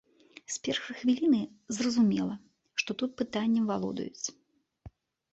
З першай хвіліны зразумела, што тут пытаннем валодаюць.